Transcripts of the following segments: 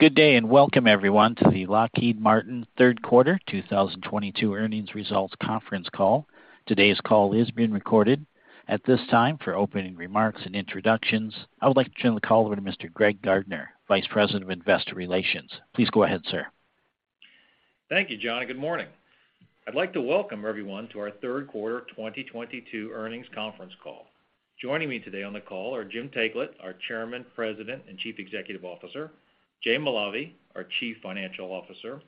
Good day, welcome everyone, to the Lockheed Martin third quarter 2022 earnings results conference call. Today's call is being recorded. At this time, for opening remarks and introductions, I would like to turn the call over to Mr. Greg Gardner, Vice President of Investor Relations. Please go ahead, sir. Thank you, John. Good morning. I'd like to welcome everyone to our third quarter 2022 earnings conference call. Joining me today on the call are Jim Taiclet, our Chairman, President, and Chief Executive Officer, Jay Malave, our Chief Financial Officer,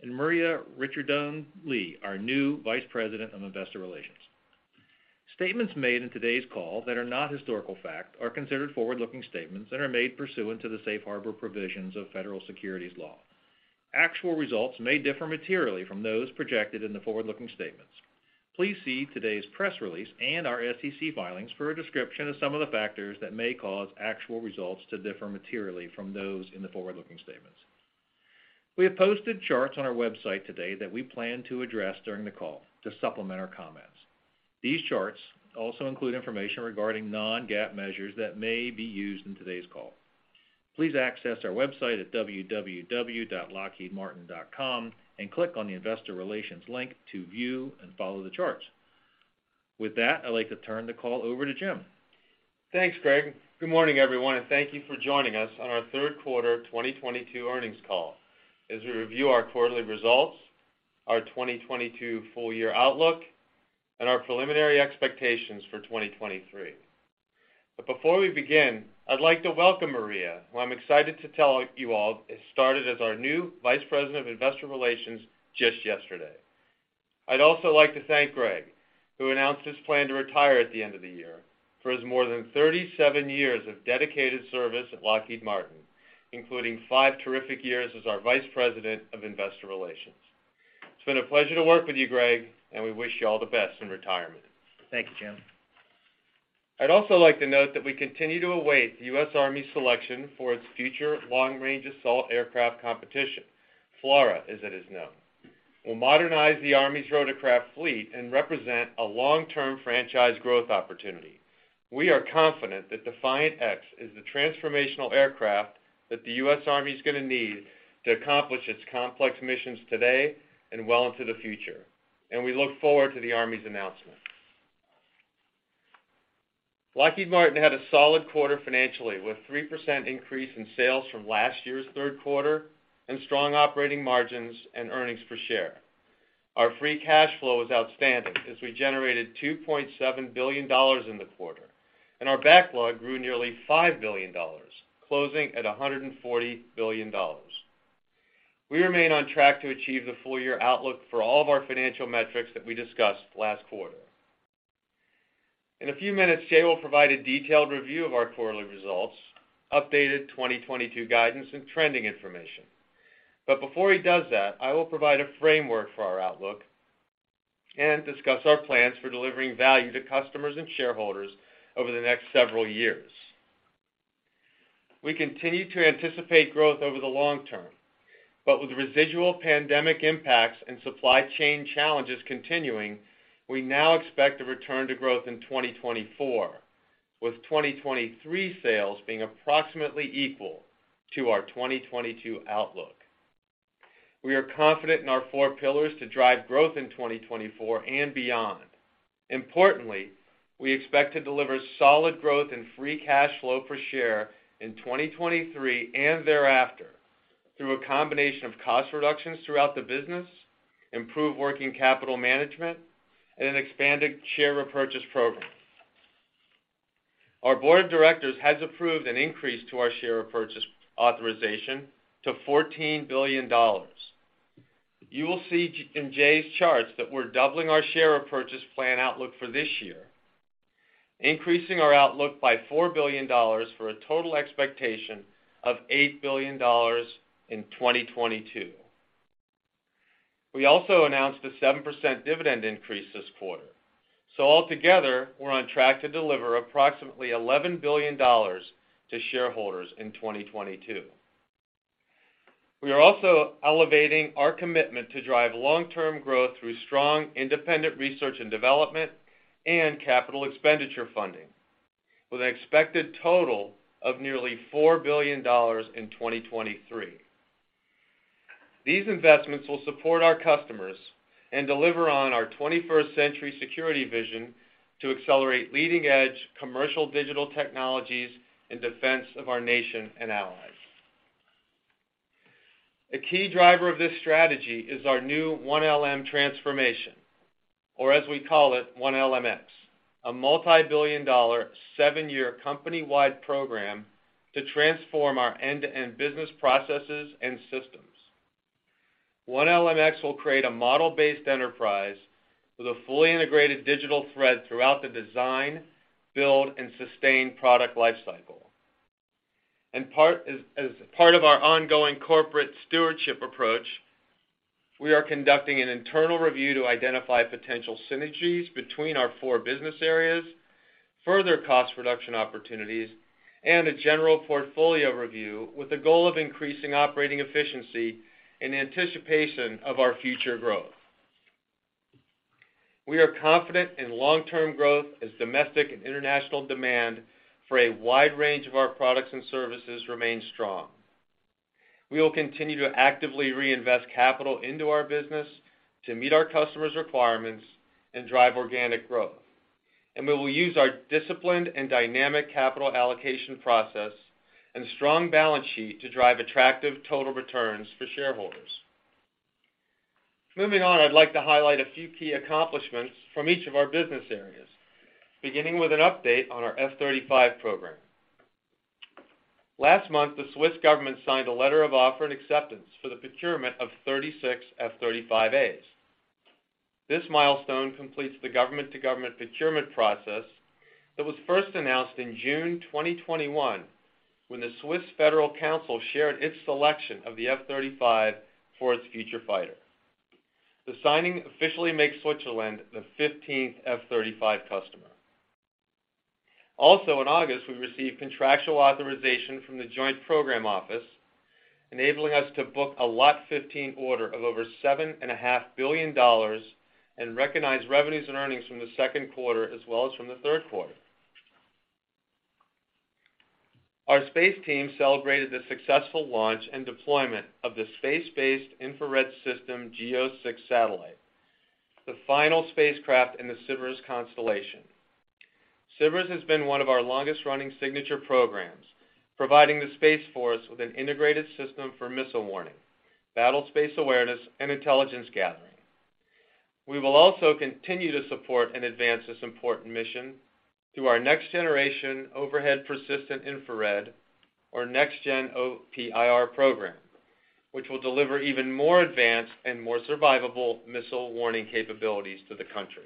and Maria Ricciardone Lee, our new Vice President of Investor Relations. Statements made in today's call that are not historical fact are considered forward-looking statements and are made pursuant to the safe harbor provisions of federal securities law. Actual results may differ materially from those projected in the forward-looking statements. Please see today's press release and our SEC filings for a description of some of the factors that may cause actual results to differ materially from those in the forward-looking statements. We have posted charts on our website today that we plan to address during the call to supplement our comments. These charts also include information regarding Non-GAAP measures that may be used in today's call. Please access our website at www.lockheedmartin.com and click on the Investor Relations link to view and follow the charts. With that, I'd like to turn the call over to Jim. Thanks, Greg. Good morning, everyone, and thank you for joining us on our third quarter 2022 earnings call as we review our quarterly results, our 2022 full year outlook, and our preliminary expectations for 2023. Before we begin, I'd like to welcome Maria, who I'm excited to tell you all has started as our new Vice President of Investor Relations just yesterday. I'd also like to thank Greg, who announced his plan to retire at the end of the year, for his more than 37 years of dedicated service at Lockheed Martin, including five terrific years as our Vice President of Investor Relations. It's been a pleasure to work with you, Greg, and we wish you all the best in retirement. Thank you, Jim. I'd also like to note that we continue to await the U.S. Army's selection for its Future Long-Range Assault Aircraft competition, FLRAA as it is known. We'll modernize the Army's rotorcraft fleet and represent a long-term franchise growth opportunity. We are confident that Defiant X is the transformational aircraft that the U.S. Army's gonna need to accomplish its complex missions today and well into the future, and we look forward to the Army's announcement. Lockheed Martin had a solid quarter financially, with 3% increase in sales from last year's third quarter and strong operating margins and earnings per share. Our free cash flow was outstanding as we generated $2.7 billion in the quarter, and our backlog grew nearly $5 billion, closing at $140 billion. We remain on track to achieve the full year outlook for all of our financial metrics that we discussed last quarter. In a few minutes, Jay will provide a detailed review of our quarterly results, updated 2022 guidance and trending information. Before he does that, I will provide a framework for our outlook and discuss our plans for delivering value to customers and shareholders over the next several years. We continue to anticipate growth over the long term, but with residual pandemic impacts and supply chain challenges continuing, we now expect a return to growth in 2024, with 2023 sales being approximately equal to our 2022 outlook. We are confident in our four pillars to drive growth in 2024 and beyond. Importantly, we expect to deliver solid growth in free cash flow per share in 2023 and thereafter through a combination of cost reductions throughout the business, improved working capital management, and an expanded share repurchase program. Our board of directors has approved an increase to our share repurchase authorization to $14 billion. You will see in Jay's charts that we're doubling our share repurchase plan outlook for this year, increasing our outlook by $4 billion for a total expectation of $8 billion in 2022. We also announced a 7% dividend increase this quarter. Altogether, we're on track to deliver approximately $11 billion to shareholders in 2022. We are also elevating our commitment to drive long-term growth through strong independent research and development and capital expenditure funding, with an expected total of nearly $4 billion in 2023. These investments will support our customers and deliver on our twenty-first century security vision to accelerate leading-edge commercial digital technologies in defense of our nation and allies. A key driver of this strategy is our new One LM transformation, or as we call it, One LMX, a multi-billion dollar, seven-year company-wide program to transform our end-to-end business processes and systems. One LMX will create a model-based enterprise with a fully integrated digital thread throughout the design, build, and sustain product life cycle. As part of our ongoing corporate stewardship approach, we are conducting an internal review to identify potential synergies between our four business areas, further cost reduction opportunities, and a general portfolio review with the goal of increasing operating efficiency in anticipation of our future growth. We are confident in long-term growth as domestic and international demand for a wide range of our products and services remain strong. We will continue to actively reinvest capital into our business to meet our customers' requirements and drive organic growth, and we will use our disciplined and dynamic capital allocation process and strong balance sheet to drive attractive total returns for shareholders. Moving on, I'd like to highlight a few key accomplishments from each of our business areas, beginning with an update on our F-35 program. Last month, the Swiss government signed a letter of offer and acceptance for the procurement of 36 F-35As. This milestone completes the government-to-government procurement process that was first announced in June 2021 when the Swiss Federal Council shared its selection of the F-35 for its future fighter. The signing officially makes Switzerland the 15th F-35 customer. Also in August, we received contractual authorization from the Joint Program Office, enabling us to book a Lot 15 order of over $7.5 billion and recognize revenues and earnings from the second quarter as well as from the third quarter. Our Space team celebrated the successful launch and deployment of the Space-Based Infrared System GEO-six satellite, the final spacecraft in the SBIRS constellation. SBIRS has been one of our longest-running signature programs, providing the Space Force with an integrated system for missile warning, battle space awareness, and intelligence gathering. We will also continue to support and advance this important mission through our Next-Generation Overhead Persistent Infrared or Next-Gen OPIR program, which will deliver even more advanced and more survivable missile warning capabilities to the country.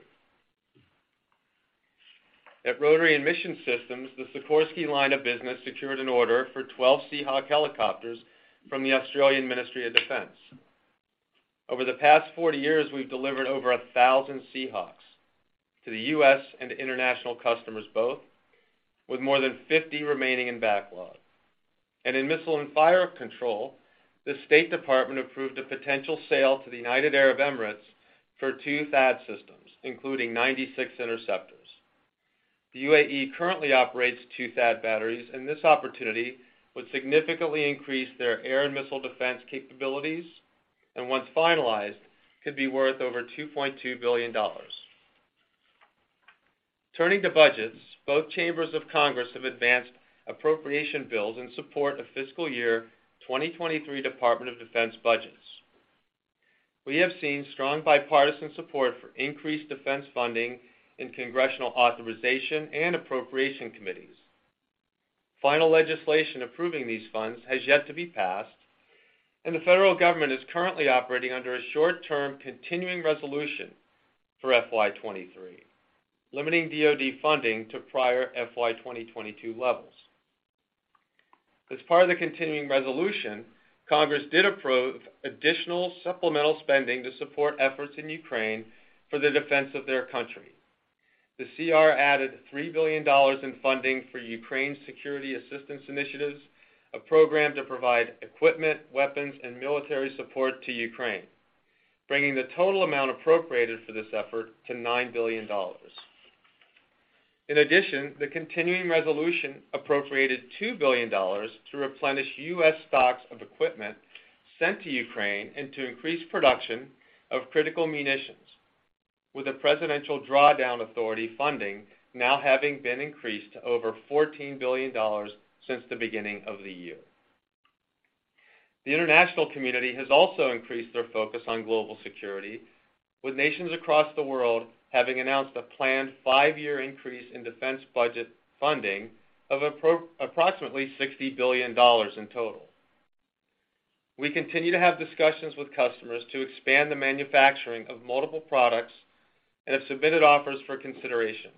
At Rotary and Mission Systems, the Sikorsky line of business secured an order for 12 Seahawk helicopters from the Australian Department of Defence. Over the past 40 years, we've delivered over 1,000 Seahawks to the U.S. and international customers both, with more than 50 remaining in backlog. In Missiles and Fire Control, the State Department approved a potential sale to the United Arab Emirates for 2 THAAD systems, including 96 interceptors. The UAE currently operates 2 THAAD batteries, and this opportunity would significantly increase their air and missile defense capabilities, and once finalized, could be worth over $2.2 billion. Turning to budgets, both chambers of Congress have advanced appropriation bills in support of fiscal year 2023 Department of Defense budgets. We have seen strong bipartisan support for increased defense funding in congressional authorization and appropriation committees. Final legislation approving these funds has yet to be passed, and the federal government is currently operating under a short-term continuing resolution for FY 2023, limiting DoD funding to prior FY 2022 levels. As part of the continuing resolution, Congress did approve additional supplemental spending to support efforts in Ukraine for the defense of their country. The CR added $3 billion in funding for Ukraine Security Assistance Initiative, a program to provide equipment, weapons, and military support to Ukraine, bringing the total amount appropriated for this effort to $9 billion. In addition, the continuing resolution appropriated $2 billion to replenish U.S. stocks of equipment sent to Ukraine and to increase production of critical munitions with the Presidential Drawdown Authority funding now having been increased to over $14 billion since the beginning of the year. The international community has also increased their focus on global security, with nations across the world having announced a planned five-year increase in defense budget funding of approximately $60 billion in total. We continue to have discussions with customers to expand the manufacturing of multiple products and have submitted offers for consideration.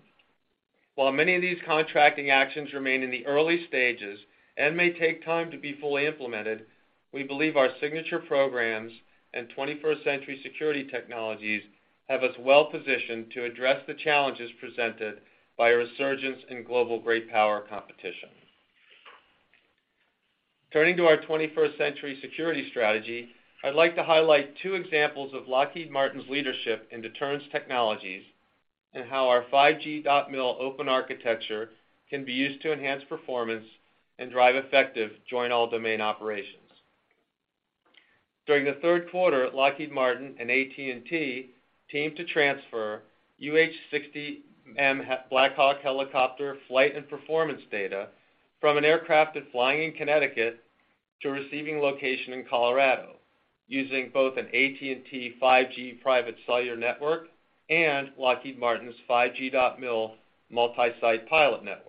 While many of these contracting actions remain in the early stages and may take time to be fully implemented, we believe our signature programs and 21st-century security technologies have us well positioned to address the challenges presented by a resurgence in global great power competition. Turning to our 21st-century security strategy, I'd like to highlight two examples of Lockheed Martin's leadership in deterrence technologies and how our 5G.MIL open architecture can be used to enhance performance and drive effective joint all-domain operations. During the third quarter, Lockheed Martin and AT&T teamed to transfer UH-60M Black Hawk helicopter flight and performance data from an aircraft flying in Connecticut to a receiving location in Colorado using both an AT&T 5G private cellular network and Lockheed Martin's 5G.MIL multi-site pilot network.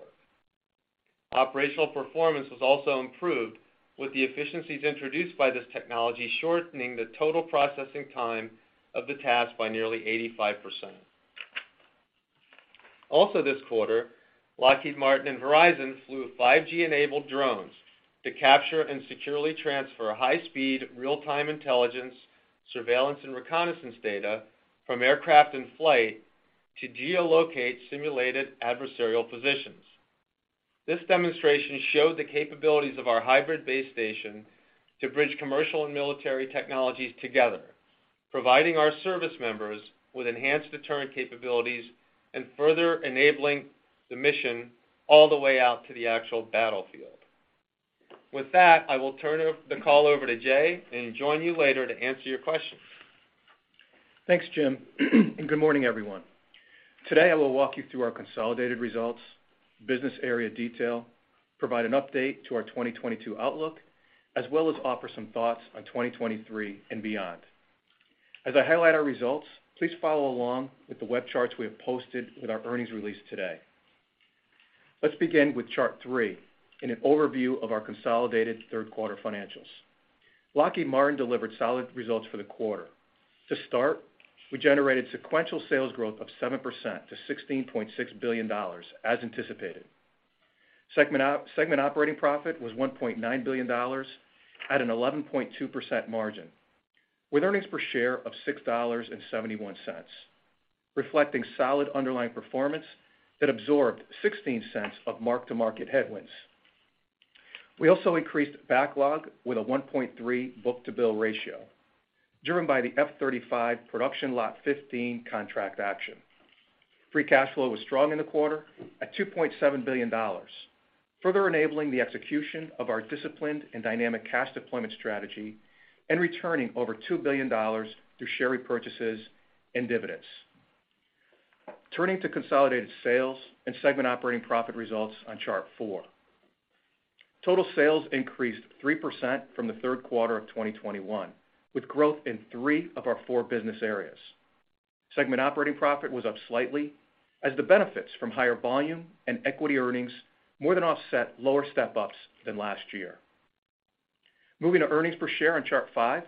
Operational performance was also improved, with the efficiencies introduced by this technology shortening the total processing time of the task by nearly 85%. Also this quarter, Lockheed Martin and Verizon flew 5G-enabled drones to capture and securely transfer high-speed, real-time intelligence, surveillance, and reconnaissance data from aircraft in flight to geolocate simulated adversarial positions. This demonstration showed the capabilities of our hybrid base station to bridge commercial and military technologies together, providing our service members with enhanced deterrent capabilities and further enabling the mission all the way out to the actual battlefield. With that, I will turn the call over to Jay and join you later to answer your questions. Thanks, Jim. Good morning, everyone. Today, I will walk you through our consolidated results, business area detail, provide an update to our 2022 outlook, as well as offer some thoughts on 2023 and beyond. As I highlight our results, please follow along with the web charts we have posted with our earnings release today. Let's begin with Chart three in an overview of our consolidated third quarter financials. Lockheed Martin delivered solid results for the quarter. To start, we generated sequential sales growth of 7% to $16.6 billion, as anticipated. Segment operating profit was $1.9 billion at an 11.2% margin, with earnings per share of $6.71, reflecting solid underlying performance that absorbed 16 cents of mark-to-market headwinds. We also increased backlog with a 1.3 book-to-bill ratio, driven by the F-35 production Lot 15 contract action. Free cash flow was strong in the quarter at $2.7 billion, further enabling the execution of our disciplined and dynamic cash deployment strategy and returning over $2 billion through share repurchases and dividends. Turning to consolidated sales and segment operating profit results on Chart 4. Total sales increased 3% from the third quarter of 2021, with growth in three of our four business areas. Segment operating profit was up slightly as the benefits from higher volume and equity earnings more than offset lower step-ups than last year. Moving to earnings per share on Chart 5.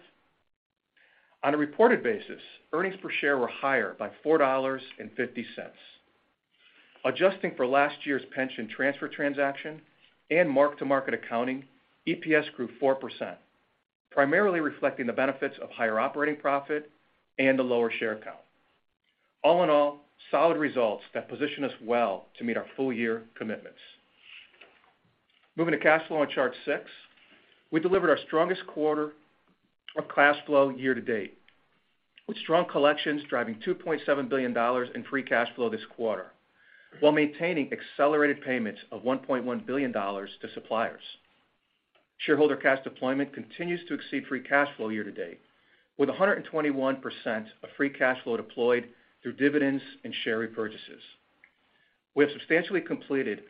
On a reported basis, earnings per share were higher by $4.50. Adjusting for last year's pension transfer transaction and mark-to-market accounting, EPS grew 4%, primarily reflecting the benefits of higher operating profit and a lower share count. All in all, solid results that position us well to meet our full year commitments. Moving to cash flow on chart six. We delivered our strongest quarter of cash flow year-to-date, with strong collections driving $2.7 billion in free cash flow this quarter while maintaining accelerated payments of $1.1 billion to suppliers. Shareholder cash deployment continues to exceed free cash flow year-to-date, with 121% of free cash flow deployed through dividends and share repurchases. We have substantially completed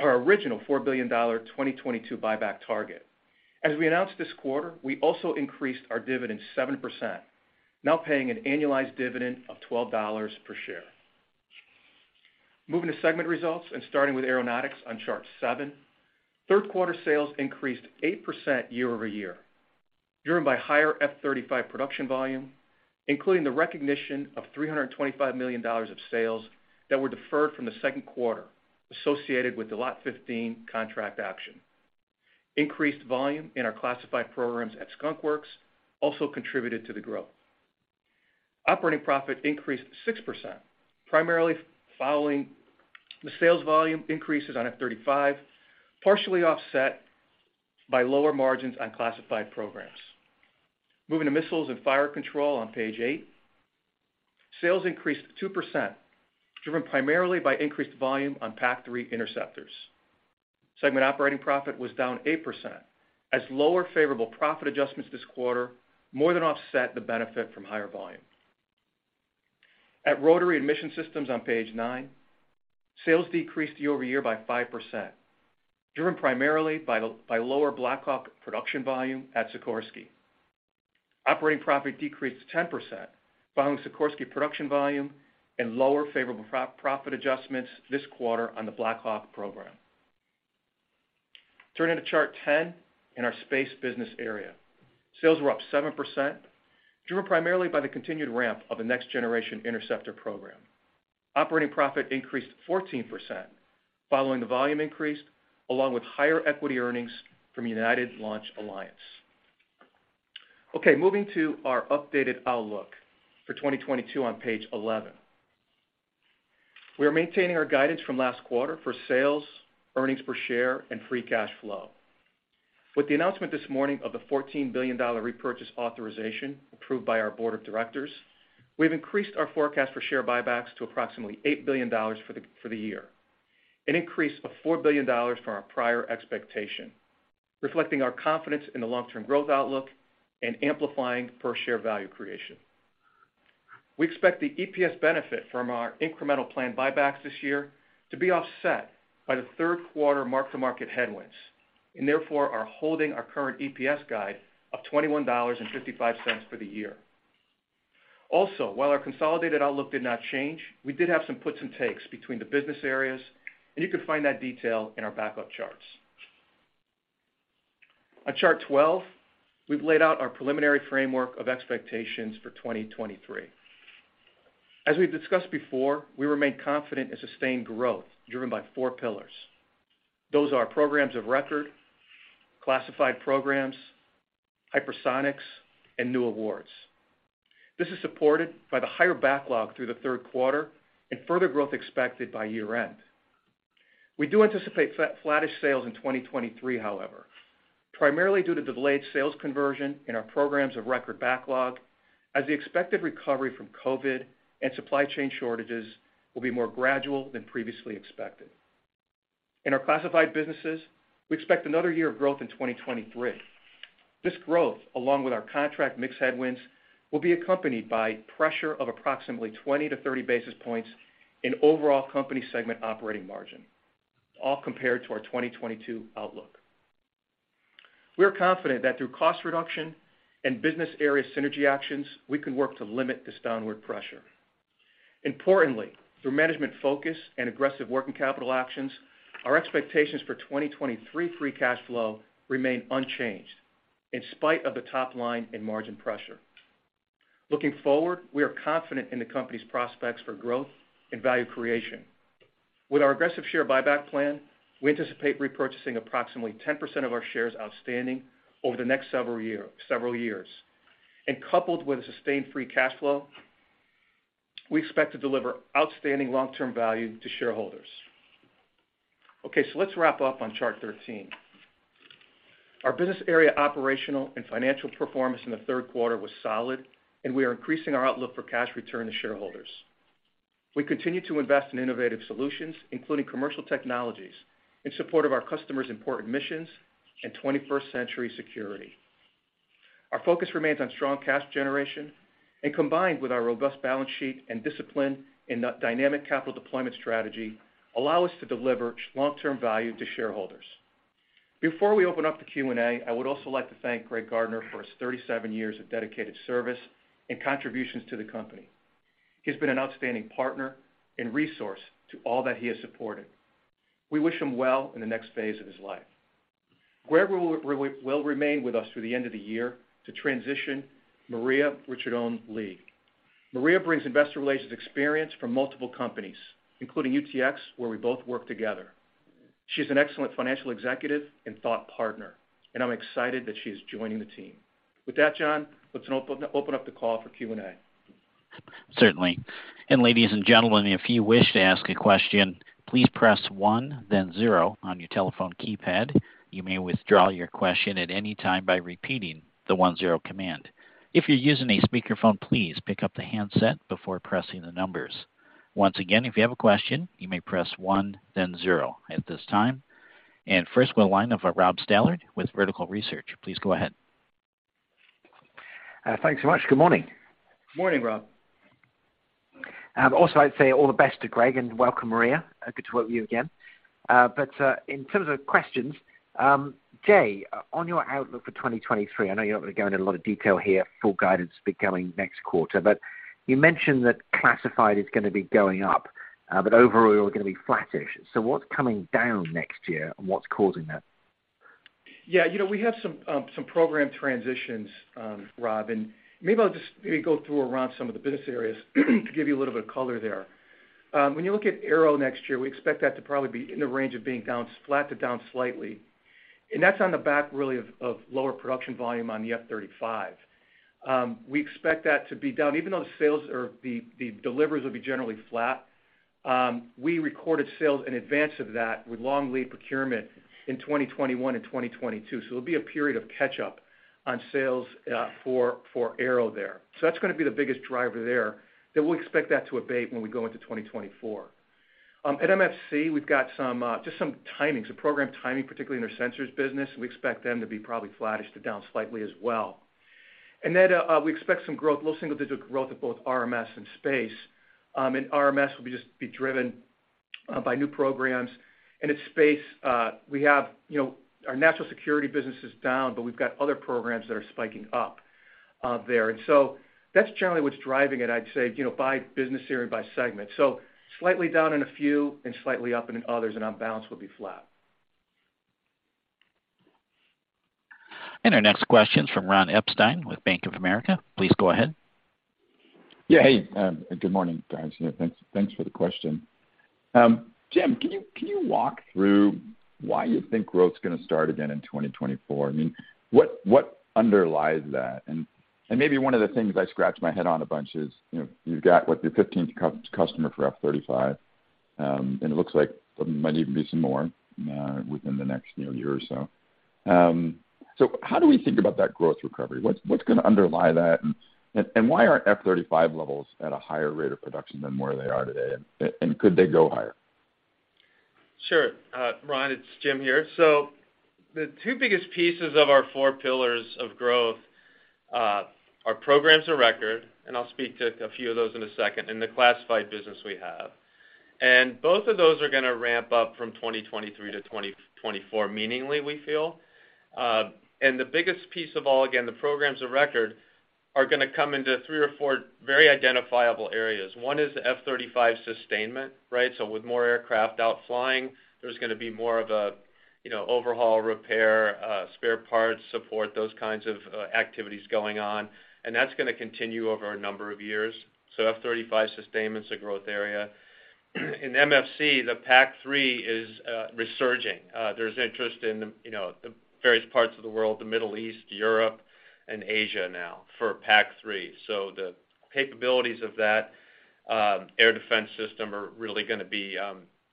our original $4 billion 2022 buyback target. As we announced this quarter, we also increased our dividend 7%, now paying an annualized dividend of $12 per share. Moving to segment results and starting with Aeronautics on Chart 7. Third quarter sales increased 8% year-over-year, driven by higher F-35 production volume, including the recognition of $325 million of sales that were deferred from the second quarter associated with the Lot 15 contract action. Increased volume in our classified programs at Skunk Works also contributed to the growth. Operating profit increased 6%, primarily following the sales volume increases on F-35, partially offset by lower margins on classified programs. Moving to Missiles and Fire Control on page 8. Sales increased 2%, driven primarily by increased volume on PAC-3 interceptors. Segment operating profit was down 8%, as lower favorable profit adjustments this quarter more than offset the benefit from higher volume. At Rotary and Mission Systems on page 9, sales decreased year-over-year by 5%, driven primarily by lower Black Hawk production volume at Sikorsky. Operating profit decreased 10% following Sikorsky production volume and lower favorable profit adjustments this quarter on the Black Hawk program. Turning to chart 10 in our Space business area. Sales were up 7%, driven primarily by the continued ramp of the Next Generation Interceptor program. Operating profit increased 14% following the volume increase, along with higher equity earnings from United Launch Alliance. Okay, moving to our updated outlook for 2022 on page 11. We are maintaining our guidance from last quarter for sales, earnings per share, and free cash flow. With the announcement this morning of the $14 billion repurchase authorization approved by our board of directors, we've increased our forecast for share buybacks to approximately $8 billion for the year, an increase of $4 billion from our prior expectation, reflecting our confidence in the long-term growth outlook and amplifying per share value creation. We expect the EPS benefit from our incremental planned buybacks this year to be offset by the third quarter mark-to-market headwinds, and therefore are holding our current EPS guide of $21.55 for the year. Also, while our consolidated outlook did not change, we did have some puts and takes between the business areas, and you can find that detail in our backup charts. On chart 12, we've laid out our preliminary framework of expectations for 2023. As we've discussed before, we remain confident in sustained growth driven by four pillars. Those are programs of record, classified programs, hypersonics, and new awards. This is supported by the higher backlog through the third quarter and further growth expected by year-end. We do anticipate flat, flattish sales in 2023, however, primarily due to delayed sales conversion in our programs of record backlog as the expected recovery from COVID and supply chain shortages will be more gradual than previously expected. In our classified businesses, we expect another year of growth in 2023. This growth, along with our contract mix headwinds, will be accompanied by pressure of approximately 20-30 basis points in overall company segment operating margin, all compared to our 2022 outlook. We are confident that through cost reduction and business area synergy actions, we can work to limit this downward pressure. Importantly, through management focus and aggressive working capital actions, our expectations for 2023 free cash flow remain unchanged in spite of the top line and margin pressure. Looking forward, we are confident in the company's prospects for growth and value creation. With our aggressive share buyback plan, we anticipate repurchasing approximately 10% of our shares outstanding over the next several years. Coupled with a sustained free cash flow, we expect to deliver outstanding long-term value to shareholders. Okay, let's wrap up on chart 13. Our business area operational and financial performance in the third quarter was solid, and we are increasing our outlook for cash return to shareholders. We continue to invest in innovative solutions, including commercial technologies, in support of our customers' important missions and 21st-century security. Our focus remains on strong cash generation, and combined with our robust balance sheet and discipline in that dynamic capital deployment strategy, allow us to deliver long-term value to shareholders. Before we open up to Q&A, I would also like to thank Greg Gardner for his 37 years of dedicated service and contributions to the company. He has been an outstanding partner and resource to all that he has supported. We wish him well in the next phase of his life. Greg will remain with us through the end of the year to transition Maria Ricciardone Lee. Maria brings investor relations experience from multiple companies, including UTX, where we both worked together. She's an excellent financial executive and thought partner, and I'm excited that she is joining the team. With that, John, let's open up the call for Q&A. Certainly. Ladies and gentlemen, if you wish to ask a question, please press one then zero on your telephone keypad. You may withdraw your question at any time by repeating the one zero command. If you're using a speakerphone, please pick up the handset before pressing the numbers. Once again, if you have a question, you may press one then zero at this time. First we'll line up for Rob Stallard with Vertical Research. Please go ahead. Thanks so much. Good morning. Morning, Rob. Also I'd say all the best to Greg and welcome, Maria. Good to work with you again. In terms of questions, Jay, on your outlook for 2023, I know you're not gonna go into a lot of detail here, full guidance be coming next quarter, but you mentioned that classified is gonna be going up, but overall, you're gonna be flattish. What's coming down next year and what's causing that? Yeah. You know, we have some program transitions, Rob, and maybe I'll just go through around some of the business areas to give you a little bit of color there. When you look at Aero next year, we expect that to probably be in the range of being down, flat to down slightly. That's on the back really of lower production volume on the F-35. We expect that to be down even though the sales or the deliveries will be generally flat. We recorded sales in advance of that with long lead procurement in 2021 and 2022. It'll be a period of catch-up on sales for Aero there. That's gonna be the biggest driver there, that we'll expect that to abate when we go into 2024. At MFC, we've got some just some timings, some program timing, particularly in our sensors business. We expect them to be probably flattish to down slightly as well. Then, we expect some growth, low single-digit growth at both RMS and Space. RMS will be just driven by new programs. At Space, we have, you know, our national security business is down, but we've got other programs that are spiking up there. That's generally what's driving it, I'd say, you know, by business area, by segment. Slightly down in a few and slightly up in others, and on balance, we'll be flat. Our next question's from Ron Epstein with Bank of America. Please go ahead. Yeah. Hey, good morning, guys. Yeah, thanks for the question. Jim, can you walk through why you think growth's gonna start again in 2024? I mean, what underlies that? Maybe one of the things I scratched my head on a bunch is, you know, you've got, what, your fifteenth customer for F-35, and it looks like there might even be some more within the next, you know, year or so. How do we think about that growth recovery? What's gonna underlie that? Why aren't F-35 levels at a higher rate of production than where they are today? Could they go higher? Sure. Ron, it's Jim here. The two biggest pieces of our four pillars of growth are programs of record, and I'll speak to a few of those in a second, and the classified business we have. Both of those are gonna ramp up from 2023 to 2024 meaningfully, we feel. The biggest piece of all, again, the programs of record are gonna come into three or four very identifiable areas. One is the F-35 sustainment, right? With more aircraft out flying, there's gonna be more of a, you know, overhaul, repair, spare parts support, those kinds of activities going on, and that's gonna continue over a number of years. F-35 sustainment's a growth area. In MFC, the PAC-3 is resurging. There's interest in, you know, the various parts of the world, the Middle East, Europe, and Asia now for PAC-3. The capabilities of that air defense system are really gonna be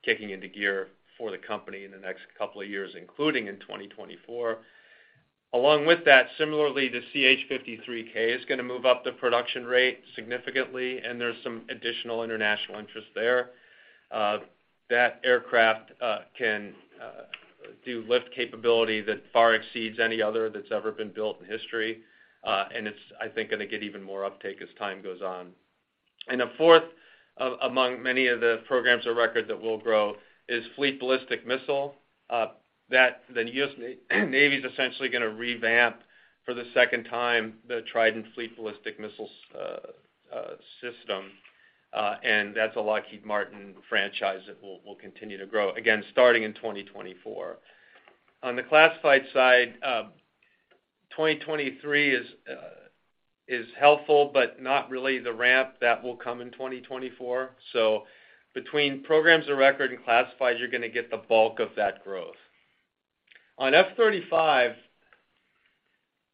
kicking into gear for the company in the next couple of years, including in 2024. Along with that, similarly, the CH-53K is gonna move up the production rate significantly, and there's some additional international interest there. That aircraft can do lift capability that far exceeds any other that's ever been built in history. It's, I think, gonna get even more uptake as time goes on. A fourth, among many of the programs of record that will grow is Fleet Ballistic Missile that the U.S. Navy's essentially gonna revamp for the second time the Trident Fleet Ballistic Missiles system, and that's a Lockheed Martin franchise that will continue to grow, again, starting in 2024. On the classified side, 2023 is helpful, but not really the ramp that will come in 2024. Between programs of record and classified, you're gonna get the bulk of that growth. On F-35,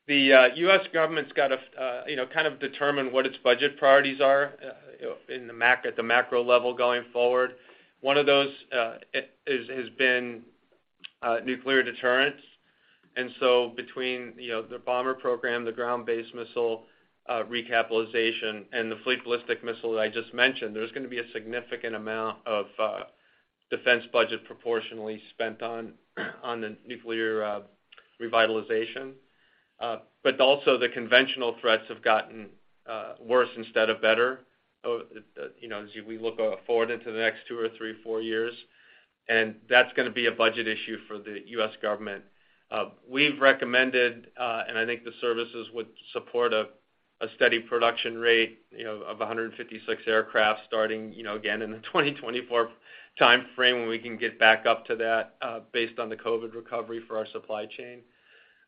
the U.S. government's gotta you know, kind of determine what its budget priorities are, you know, at the macro level going forward. One of those has been nuclear deterrence. Between, you know, the bomber program, the ground-based missile recapitalization, and the fleet ballistic missile that I just mentioned, there's gonna be a significant amount of defense budget proportionally spent on the nuclear revitalization. But also the conventional threats have gotten worse instead of better, you know, as we look forward into the next two or three, four years, and that's gonna be a budget issue for the U.S. government. We've recommended, and I think the services would support a steady production rate, you know, of 156 aircraft starting, you know, again, in the 2024 timeframe when we can get back up to that, based on the COVID recovery for our supply chain.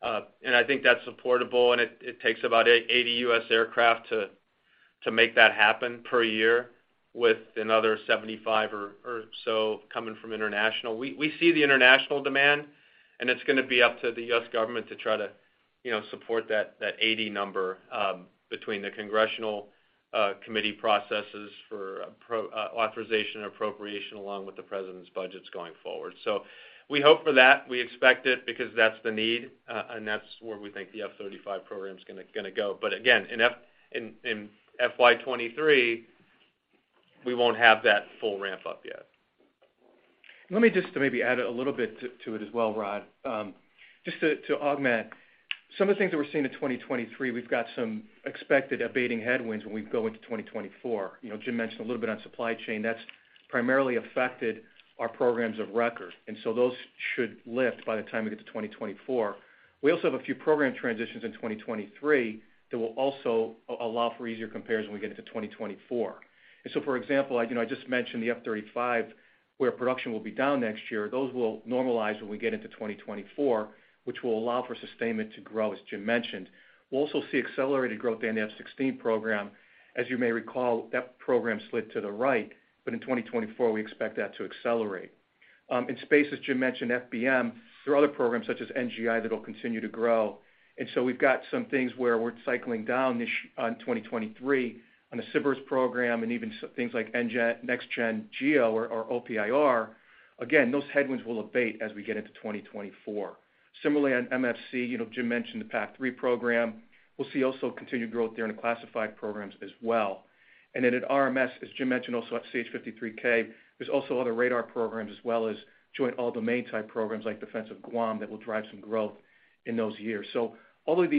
I think that's supportable, and it takes about 80 U.S. aircraft to make that happen per year with another 75 or so coming from international. We see the international demand, and it's gonna be up to the U.S. government to try to, you know, support that 80 number, between the congressional committee processes for authorization and appropriation, along with the president's budgets going forward. We hope for that. We expect it because that's the need, and that's where we think the F-35 program's gonna go. But again, in FY 2023, we won't have that full ramp-up yet. Let me just maybe add a little bit to it as well, Ron. Just to augment some of the things that we're seeing in 2023, we've got some expected abating headwinds when we go into 2024. You know, Jim mentioned a little bit on supply chain. That's primarily affected our programs of record, and so those should lift by the time we get to 2024. We also have a few program transitions in 2023 that will also allow for easier comparison when we get into 2024. For example, you know, I just mentioned the F-35, where production will be down next year. Those will normalize when we get into 2024, which will allow for sustainment to grow, as Jim mentioned. We'll also see accelerated growth in the F-16 program. As you may recall, that program slid to the right, but in 2024, we expect that to accelerate. In space, as Jim mentioned, FBM, there are other programs such as NGI that'll continue to grow. We've got some things where we're cycling down in 2023 on the SBIRS program and even things like Next-Gen OPIR GEO or OPIR. Again, those headwinds will abate as we get into 2024. Similarly, on MFC, you know, Jim mentioned the PAC-3 program. We'll see also continued growth there in the classified programs as well. At RMS, as Jim mentioned also, that CH-53K, there's also other radar programs as well as Joint All-Domain-type programs like Defense of Guam that will drive some growth in those years. All of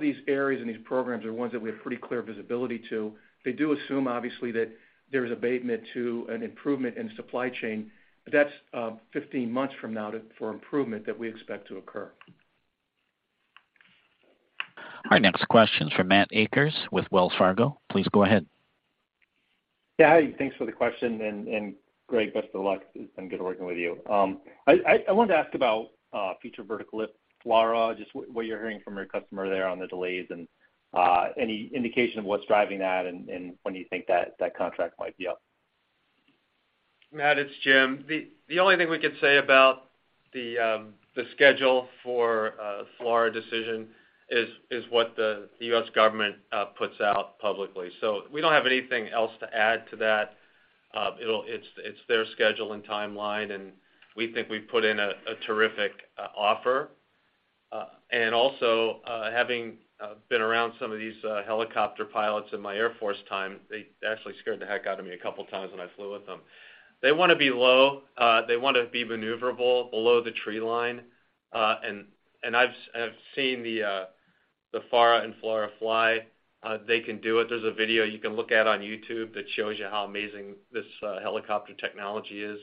these areas and these programs are ones that we have pretty clear visibility to. They do assume, obviously, that there's abatement to an improvement in supply chain, but that's 15 months from now for improvement that we expect to occur. Our next question's from Matthew Akers with Wells Fargo. Please go ahead. Yeah. Hey, thanks for the question. Greg, best of luck. It's been good working with you. I wanted to ask about future vertical lift, FLRAA, just what you're hearing from your customer there on the delays and any indication of what's driving that and when you think that contract might be up. Matt, it's Jim. The only thing we could say about the schedule for a FLRAA decision is what the U.S. government puts out publicly. We don't have anything else to add to that. It's their schedule and timeline, and we think we've put in a terrific offer. Having been around some of these helicopter pilots in my Air Force time, they actually scared the heck out of me a couple times when I flew with them. They wanna be low, they wanna be maneuverable below the tree line. I've seen the FARA and FLRAA fly. They can do it. There's a video you can look at on YouTube that shows you how amazing this helicopter technology is.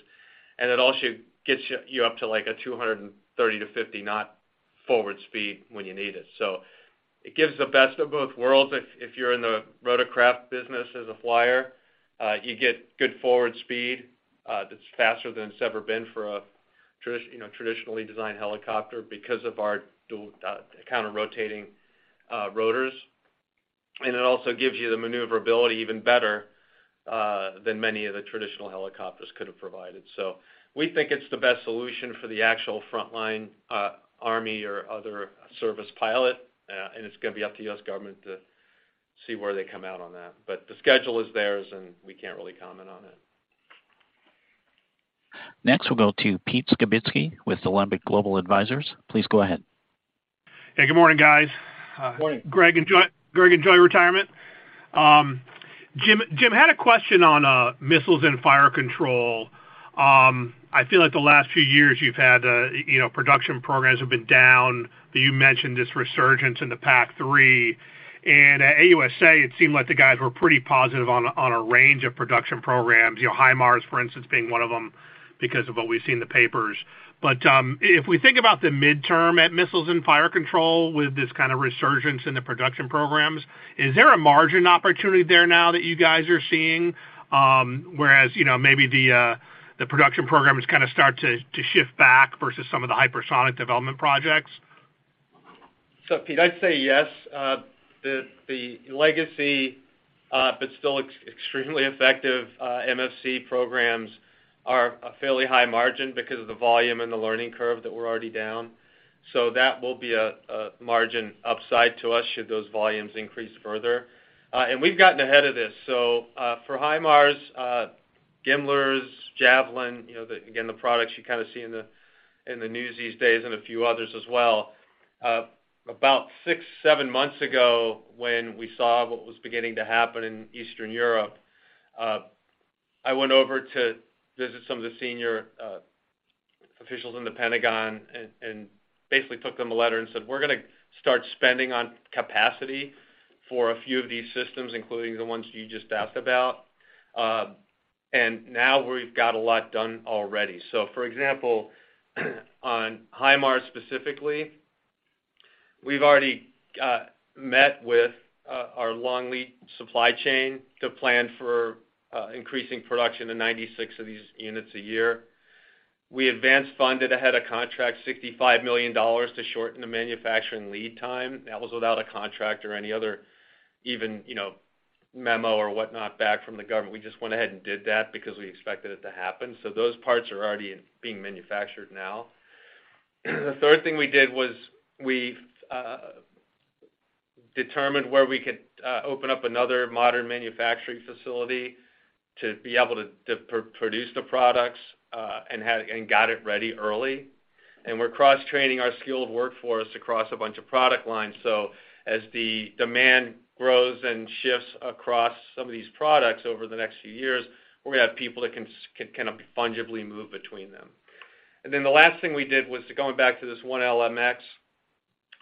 It also gets you up to, like, a 230-50-knot forward speed when you need it. It gives the best of both worlds. If you're in the rotorcraft business as a flyer, you get good forward speed, that's faster than it's ever been for a you know, traditionally designed helicopter because of our counter-rotating rotors. It also gives you the maneuverability even better than many of the traditional helicopters could have provided. We think it's the best solution for the actual frontline Army or other service pilot. It's gonna be up to U.S. government to see where they come out on that. The schedule is theirs, and we can't really comment on it. Next, we'll go to Pete Skibitski with Alembic Global Advisors. Please go ahead. Hey, good morning, guys. Morning. Greg, enjoy retirement. Jim had a question on Missiles and Fire Control. I feel like the last few years you've had, you know, production programs have been down, but you mentioned this resurgence in the PAC-3. At AUSA, it seemed like the guys were pretty positive on a range of production programs, you know, HIMARS, for instance, being one of them because of what we've seen in the papers. If we think about the midterm at Missiles and Fire Control with this kind of resurgence in the production programs, is there a margin opportunity there now that you guys are seeing, whereas, you know, maybe the production programs kinda start to shift back versus some of the hypersonic development projects? Pete, I'd say yes. The legacy, but still extremely effective, MFC programs are a fairly high margin because of the volume and the learning curve that we're already down. That will be a margin upside to us should those volumes increase further. We've gotten ahead of this. For HIMARS, GMLRS, Javelin, you know, again, the products you kinda see in the news these days and a few others as well. About six to seven months ago, when we saw what was beginning to happen in Eastern Europe, I went over to visit some of the senior officials in the Pentagon and basically took them a letter and said, "We're gonna start spending on capacity for a few of these systems," including the ones you just asked about. Now we've got a lot done already. For example, on HIMARS specifically, we've already met with our long lead supply chain to plan for increasing production to 96 of these units a year. We advanced funded ahead of contract $65 million to shorten the manufacturing lead time. That was without a contract or any other even, you know, memo or whatnot back from the government. We just went ahead and did that because we expected it to happen. Those parts are already being manufactured now. The third thing we did was we determined where we could open up another modern manufacturing facility to be able to produce the products and got it ready early. We're cross-training our skilled workforce across a bunch of product lines. As the demand grows and shifts across some of these products over the next few years, we're gonna have people that can kind of fungibly move between them. Then the last thing we did was going back to this One LMX.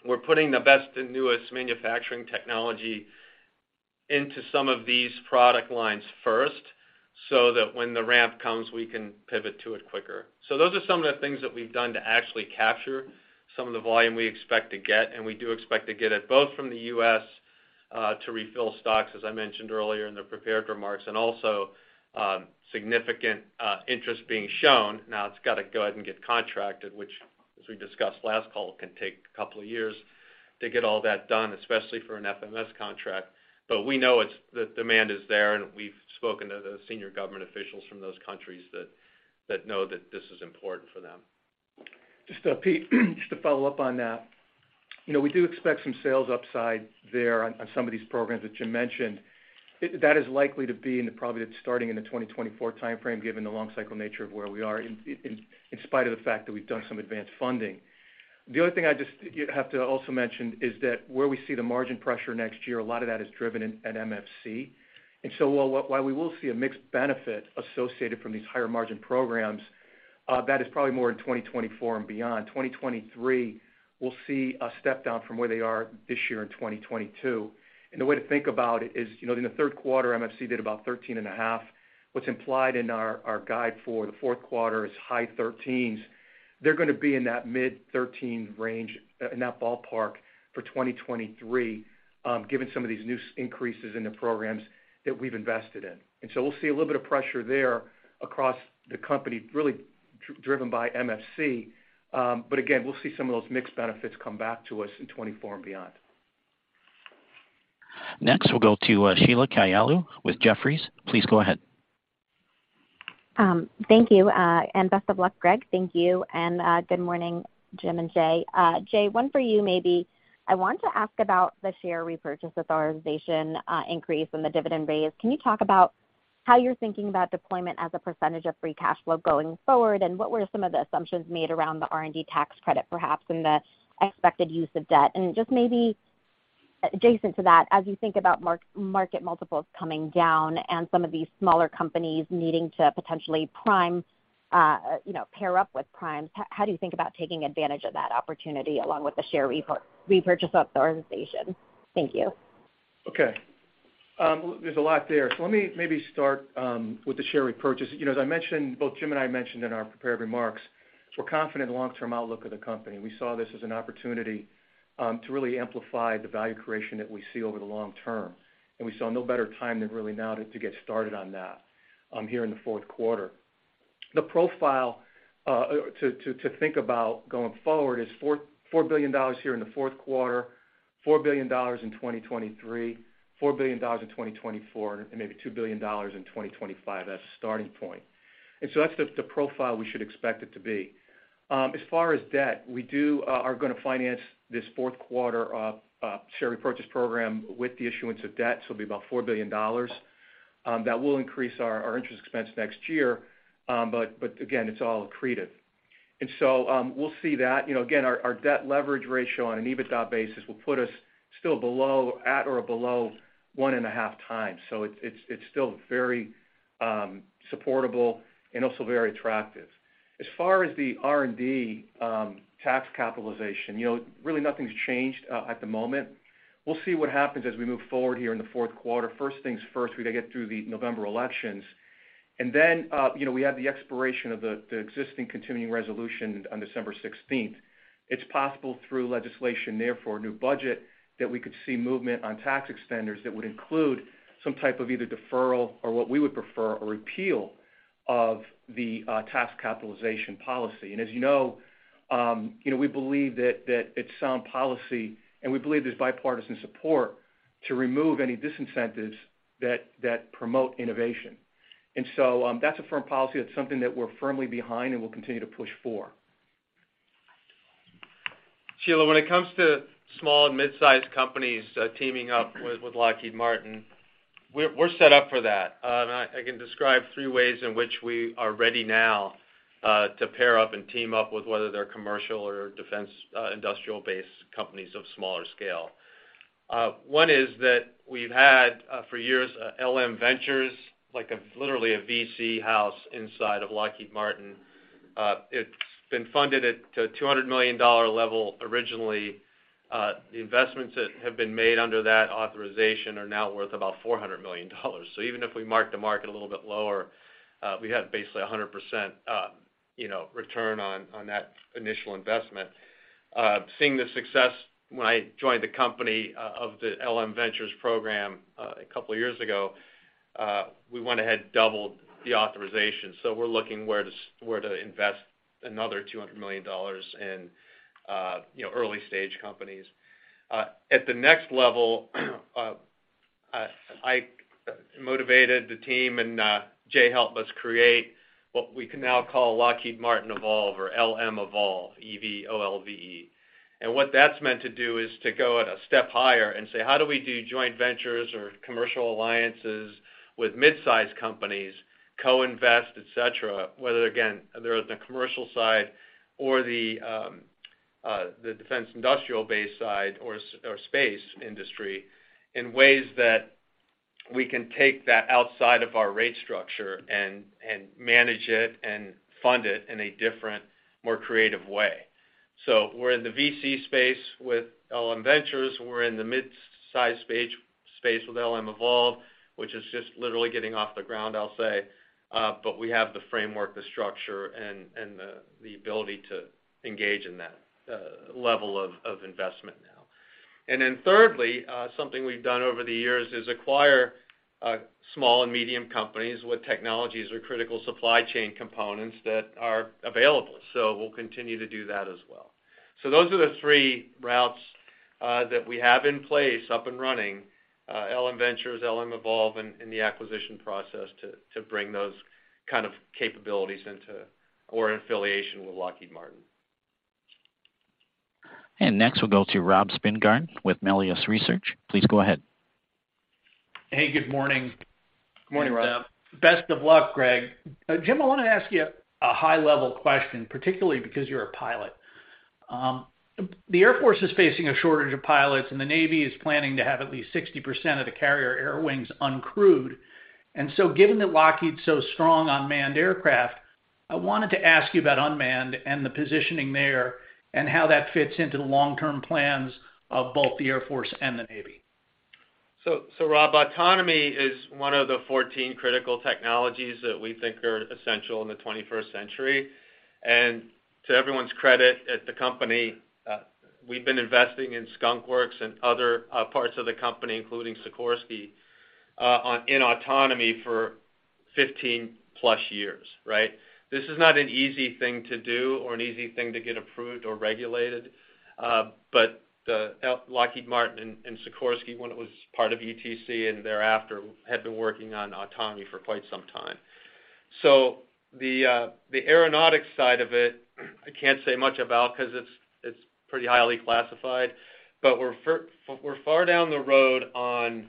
We're putting the best and newest manufacturing technology into some of these product lines first, so that when the ramp comes, we can pivot to it quicker. Those are some of the things that we've done to actually capture some of the volume we expect to get, and we do expect to get it both from the U.S. to refill stocks, as I mentioned earlier in the prepared remarks, and also significant interest being shown. Now it's gotta go out and get contracted, which as we discussed last call, can take a couple of years to get all that done, especially for an FMS contract. We know the demand is there, and we've spoken to the senior government officials from those countries that know that this is important for them. Just, Pete, just to follow up on that. You know, we do expect some sales upside there on some of these programs that Jim mentioned. That is likely to be in the, probably starting in the 2024 timeframe, given the long cycle nature of where we are, in spite of the fact that we've done some advanced funding. The other thing I just, you'd have to also mention is that where we see the margin pressure next year, a lot of that is driven in at MFC. While we will see a mixed benefit associated from these higher margin programs, that is probably more in 2024 and beyond. 2023, we'll see a step down from where they are this year in 2022. The way to think about it is, you know, in the third quarter, MFC did about 13.5%. What's implied in our guide for the fourth quarter is high 13s. They're gonna be in that mid-13 range, in that ballpark for 2023, given some of these new increases in the programs that we've invested in. We'll see a little bit of pressure there across the company, really driven by MFC. Again, we'll see some of those mixed benefits come back to us in 2024 and beyond. Next, we'll go to Sheila Kahyaoglu with Jefferies. Please go ahead. Thank you, and best of luck, Greg. Thank you, and good morning, Jim and Jay. Jay, one for you maybe. I want to ask about the share repurchase authorization, increase in the dividend raise. Can you talk about how you're thinking about deployment as a percentage of free cash flow going forward, and what were some of the assumptions made around the R&D tax credit, perhaps, and the expected use of debt? Just maybe adjacent to that, as you think about market multiples coming down and some of these smaller companies needing to potentially prime, you know, pair up with primes, how do you think about taking advantage of that opportunity along with the share repurchase authorization? Thank you. Okay. Well, there's a lot there. Let me maybe start with the share repurchase. You know, as I mentioned, both Jim and I mentioned in our prepared remarks, so we're confident in long-term outlook of the company. We saw this as an opportunity to really amplify the value creation that we see over the long term. We saw no better time than really now to get started on that here in the fourth quarter. The profile to think about going forward is $4 billion here in the fourth quarter, $4 billion in 2023, $4 billion in 2024, and maybe $2 billion in 2025. That's the starting point. That's the profile we should expect it to be. As far as debt, we are gonna finance this fourth quarter share repurchase program with the issuance of debt, so it'll be about $4 billion. That will increase our interest expense next year, but again, it's all accretive. We'll see that. You know, again, our debt leverage ratio on an EBITDA basis will put us still below, at or below one and a half times. It's still very supportable and also very attractive. As far as the R&D tax capitalization, you know, really nothing's changed at the moment. We'll see what happens as we move forward here in the fourth quarter. First things first, we gotta get through the November elections. Then, you know, we have the expiration of the existing continuing resolution on December 16th. It's possible through legislation, therefore, a new budget, that we could see movement on tax extenders that would include some type of either deferral or what we would prefer, a repeal of the tax capitalization policy. As you know, you know, we believe that it's sound policy, and we believe there's bipartisan support to remove any disincentives that promote innovation. That's a firm policy. That's something that we're firmly behind and we'll continue to push for. Sheila, when it comes to small and mid-sized companies, teaming up with Lockheed Martin, we're set up for that. I can describe three ways in which we are ready now to pair up and team up with whether they're commercial or defense industrial-based companies of smaller scale. One is that we've had for years LM Ventures like a literally a VC house inside of Lockheed Martin. It's been funded to $200 million level originally. The investments that have been made under that authorization are now worth about $400 million. Even if we mark the market a little bit lower, we have basically 100%, you know, return on that initial investment. Seeing the success when I joined the company of the LM Ventures program a couple of years ago, we went ahead, doubled the authorization. We're looking where to invest another $200 million in, you know, early-stage companies. At the next level, I motivated the team and Jay helped us create what we can now call Lockheed Martin Evolve or LM Evolve, E-V-O-L-V-E. What that's meant to do is to go at a step higher and say, how do we do joint ventures or commercial alliances with mid-size companies, co-invest, et cetera, whether, again, they're in the commercial side or the defense industrial base side or space industry, in ways that we can take that outside of our rate structure and manage it and fund it in a different, more creative way. We're in the VC space with LM Ventures. We're in the mid-size space with LM Evolve, which is just literally getting off the ground, I'll say. But we have the framework, the structure, and the ability to engage in that level of investment now. Thirdly, something we've done over the years is acquire small and medium companies with technologies or critical supply chain components that are available. We'll continue to do that as well. Those are the three routes that we have in place up and running, LM Ventures, LM Evolve, and the acquisition process to bring those kind of capabilities into or in affiliation with Lockheed Martin. Next, we'll go to Rob Spingarn with Melius Research. Please go ahead. Hey, good morning. Morning, Rob. Best of luck, Greg. Jim, I wanna ask you a high-level question, particularly because you're a pilot. The Air Force is facing a shortage of pilots, and the Navy is planning to have at least 60% of the carrier air wings uncrewed. Given that Lockheed's so strong on manned aircraft, I wanted to ask you about unmanned and the positioning there and how that fits into the long-term plans of both the Air Force and the Navy. Rob, autonomy is one of the 14 critical technologies that we think are essential in the 21st century. To everyone's credit at the company, we've been investing in Skunk Works and other parts of the company, including Sikorsky, in autonomy for 15+ years, right? This is not an easy thing to do or an easy thing to get approved or regulated, but Lockheed Martin and Sikorsky, when it was part of UTC and thereafter, had been working on autonomy for quite some time. The aeronautics side of it, I can't say much about because it's pretty highly classified, but we're far down the road on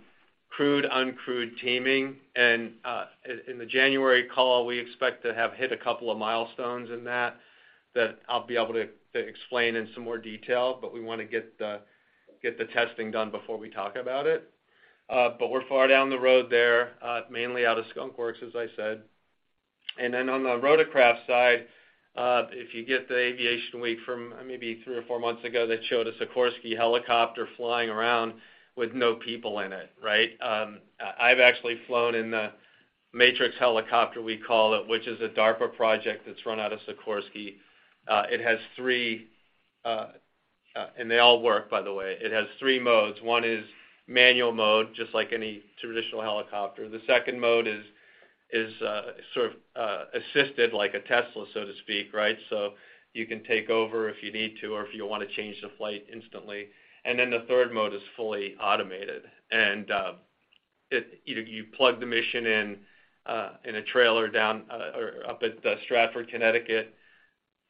crewed/uncrewed teaming. In the January call, we expect to have hit a couple of milestones in that I'll be able to explain in some more detail, but we want to get the testing done before we talk about it. But we're far down the road there, mainly out of Skunk Works, as I said. Then on the rotorcraft side. If you get the Aviation Week from maybe three or four months ago that showed a Sikorsky helicopter flying around with no people in it, right? I've actually flown in the MATRIX helicopter, we call it, which is a DARPA project that's run out of Sikorsky. It has three, and they all work by the way. It has three modes. One is manual mode, just like any traditional helicopter. The second mode is sort of assisted like a Tesla, so to speak, right? You can take over if you need to or if you wanna change the flight instantly. Then the third mode is fully automated. Either you plug the mission in a trailer down, or up at the Stratford, Connecticut.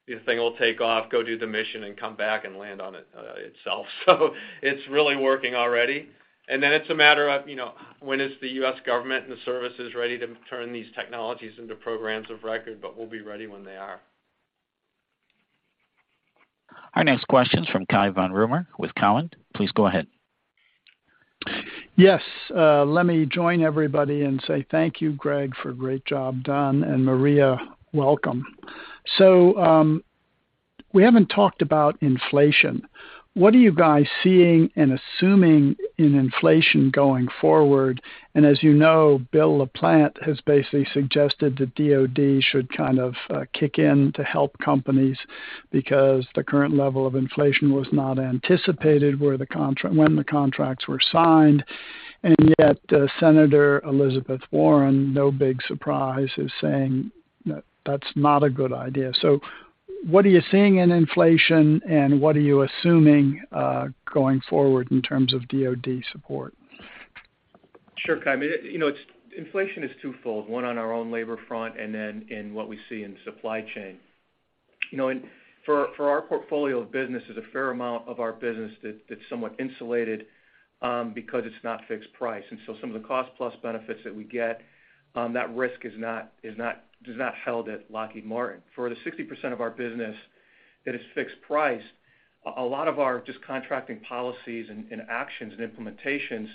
The thing will take off, go do the mission, and come back and land on it, itself. It's really working already. It's a matter of, you know, when is the U.S. government and the services ready to turn these technologies into programs of record, but we'll be ready when they are. Our next question is from Cai von Rumohr with Cowen. Please go ahead. Yes. Let me join everybody and say thank you, Greg, for a great job done, and Maria, welcome. We haven't talked about inflation. What are you guys seeing and assuming in inflation going forward? As you know, William LaPlante has basically suggested that DoD should kind of kick in to help companies because the current level of inflation was not anticipated when the contracts were signed. Yet, Senator Elizabeth Warren, no big surprise, is saying that that's not a good idea. What are you seeing in inflation, and what are you assuming going forward in terms of DoD support? Sure, Cai. I mean, you know, it's inflation is twofold. One on our own labor front, and then in what we see in supply chain. You know, for our portfolio of business, there's a fair amount of our business that's somewhat insulated, because it's not fixed price. Some of the cost plus benefits that we get, that risk is not held at Lockheed Martin. For the 60% of our business that is fixed price, a lot of our contracting policies and actions and implementations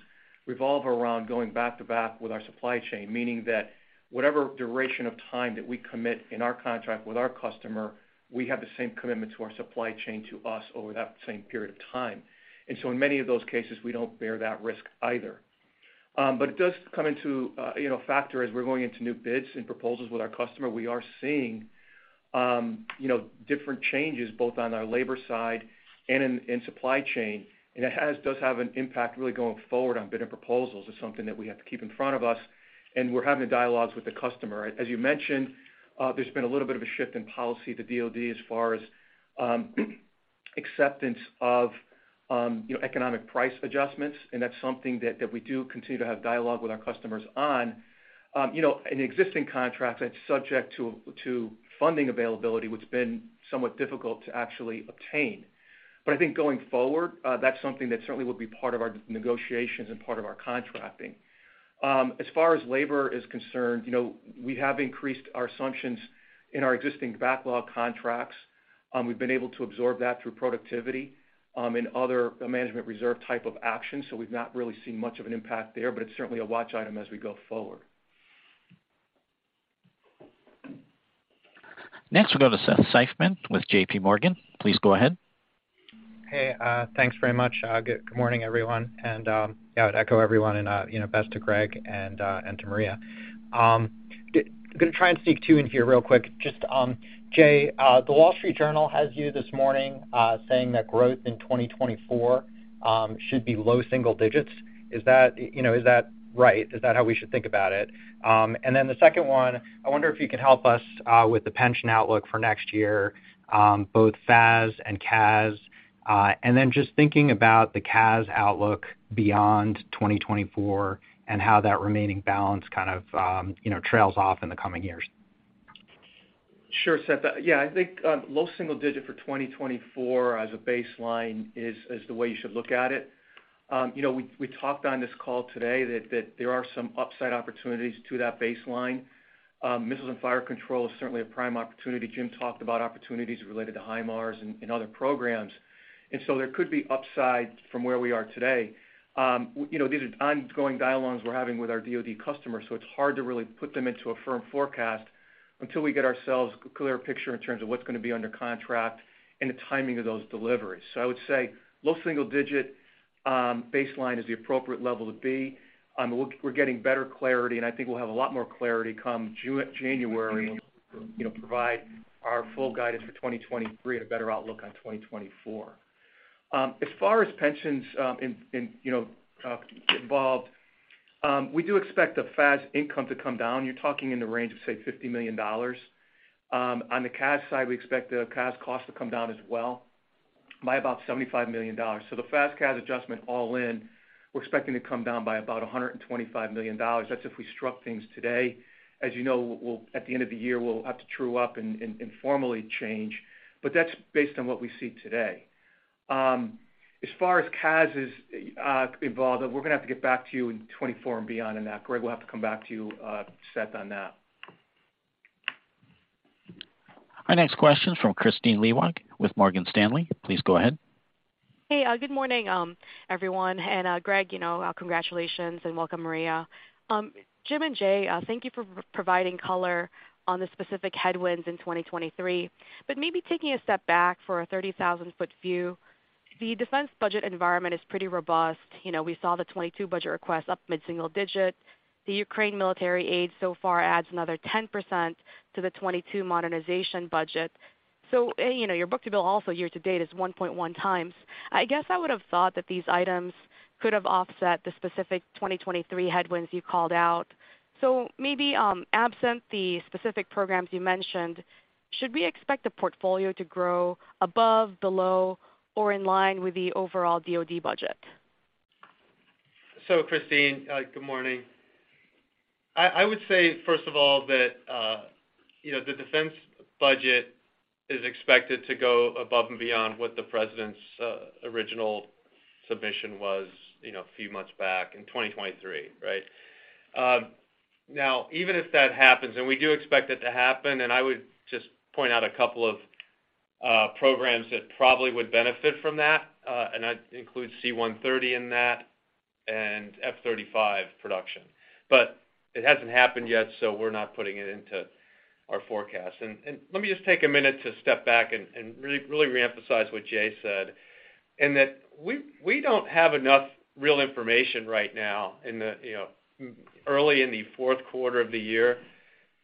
revolve around going back to back with our supply chain, meaning that whatever duration of time that we commit in our contract with our customer, we have the same commitment to our supply chain to us over that same period of time. In many of those cases, we don't bear that risk either. It does come into, you know, factor as we're going into new bids and proposals with our customer. We are seeing, you know, different changes both on our labor side and in supply chain. It does have an impact really going forward on bid and proposals. It's something that we have to keep in front of us, and we're having the dialogues with the customer. As you mentioned, there's been a little bit of a shift in policy at the DoD as far as, acceptance of, you know, economic price adjustments, and that's something that we do continue to have dialogue with our customers on. You know, in existing contracts, that's subject to, funding availability, which been somewhat difficult to actually obtain. I think going forward, that's something that certainly would be part of our negotiations and part of our contracting. As far as labor is concerned, you know, we have increased our assumptions in our existing backlog contracts. We've been able to absorb that through productivity, and other management reserve type of actions, so we've not really seen much of an impact there, but it's certainly a watch item as we go forward. Next, we'll go to Seth Seifman with J.P. Morgan. Please go ahead. Hey, thanks very much. Good morning, everyone. Yeah, I'd echo everyone and, you know, best to Greg and to Maria. Gonna try and sneak two in here real quick. Just, Jay, the Wall Street Journal has you this morning, saying that growth in 2024 should be low single digits. Is that, you know, is that right? Is that how we should think about it? The second one, I wonder if you could help us with the pension outlook for next year, both FAS and CAS. Just thinking about the CAS outlook beyond 2024 and how that remaining balance kind of, you know, trails off in the coming years. Sure, Seth. I think low single-digit% for 2024 as a baseline is the way you should look at it. We talked on this call today that there are some upside opportunities to that baseline. Missiles and Fire Control is certainly a prime opportunity. Jim talked about opportunities related to HIMARS and other programs. There could be upside from where we are today. These are ongoing dialogues we're having with our DoD customers, so it's hard to really put them into a firm forecast until we get ourselves a clear picture in terms of what's gonna be under contract and the timing of those deliveries. I would say low single-digit% baseline is the appropriate level to be. We're getting better clarity, and I think we'll have a lot more clarity come January, you know, provide our full guidance for 2023 and a better outlook on 2024. As far as pensions involved, we do expect the FAS income to come down. You're talking in the range of, say, $50 million. On the CAS side, we expect the CAS cost to come down as well by about $75 million. The FAS/CAS adjustment all in, we're expecting to come down by about $125 million. That's if we struck things today. As you know, at the end of the year, we'll have to true up and formally change, but that's based on what we see today. As far as CAS is involved, we're gonna have to get back to you in 2024 and beyond on that. Greg, we'll have to come back to you, Seth, on that. Our next question is from Kristine Liwag with Morgan Stanley. Please go ahead. Hey, good morning, everyone. Greg, you know, congratulations, and welcome, Maria. Jim and Jay, thank you for providing color on the specific headwinds in 2023. Maybe taking a step back for a 30,000-foot view, the defense budget environment is pretty robust. You know, we saw the 2022 budget request up mid-single digit. Ukraine military aid so far adds another 10% to the 2022 modernization budget. A, you know, your book-to-bill also year to date is 1.1x. I guess I would have thought that these items could have offset the specific 2023 headwinds you called out. Maybe, absent the specific programs you mentioned, should we expect the portfolio to grow above, below, or in line with the overall DoD budget? Kristine, good morning. I would say, first of all, that, you know, the defense budget is expected to go above and beyond what the president's original submission was, you know, a few months back in 2023, right? Now, even if that happens, and we do expect it to happen, and I would just point out a couple of programs that probably would benefit from that, and I'd include C-130 in that and F-35 production. But it hasn't happened yet, so we're not putting it into our forecast. Let me just take a minute to step back and really reemphasize what Jay said in that we don't have enough real information right now in the, you know, early in the fourth quarter of the year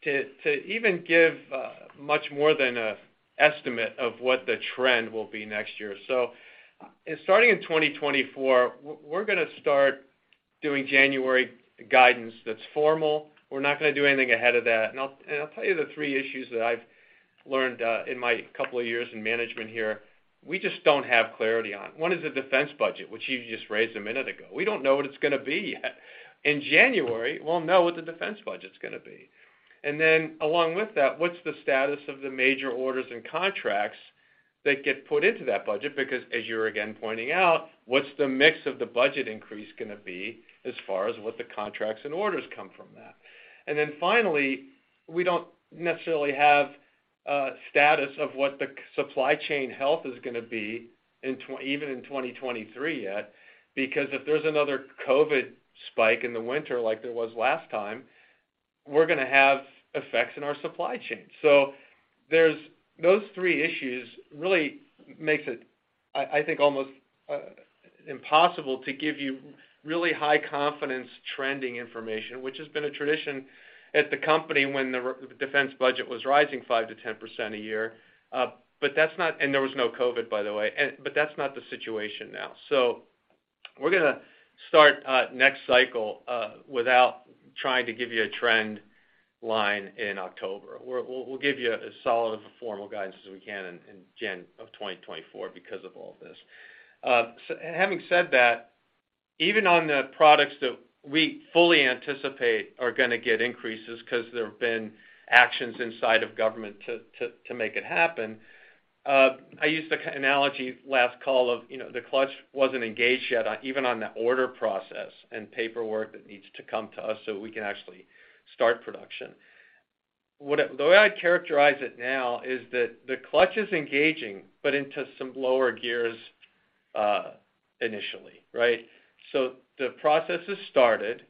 to even give much more than an estimate of what the trend will be next year. Starting in 2024, we're gonna start doing January guidance that's formal. We're not gonna do anything ahead of that. I'll tell you the three issues that I've learned in my couple of years in management here, we just don't have clarity on. One is the defense budget, which you just raised a minute ago. We don't know what it's gonna be yet. In January, we'll know what the defense budget's gonna be. Along with that, what's the status of the major orders and contracts that get put into that budget because, as you're again pointing out, what's the mix of the budget increase gonna be as far as what the contracts and orders come from that Finally, we don't necessarily have a status of what the supply chain health is gonna be in even in 2023 yet, because if there's another COVID spike in the winter like there was last time, we're gonna have effects in our supply chain. There's those three issues really makes it, I think, almost impossible to give you really high confidence trending information, which has been a tradition at the company when the defense budget was rising 5%-10% a year. But that's not and there was no COVID, by the way. That's not the situation now. We're gonna start next cycle without trying to give you a trend line in October. We'll give you as solid of a formal guidance as we can in January of 2024 because of all of this. Having said that, even on the products that we fully anticipate are gonna get increases 'cause there have been actions inside of government to make it happen, I used the analogy last call of, you know, the clutch wasn't engaged yet even on the order process and paperwork that needs to come to us so we can actually start production. The way I'd characterize it now is that the clutch is engaging but into some lower gears initially, right? The process has started.